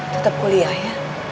tetep kuliah ya